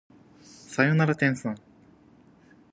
さよなら天さん